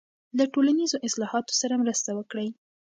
له ټولنیزو اصلاحاتو سره مرسته وکړئ.